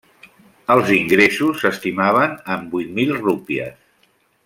Els ingressos s'estimaven en vuit mil rúpies.